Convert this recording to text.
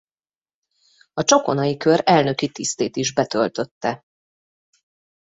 A Csokonai-kör elnöki tisztét is betöltötte.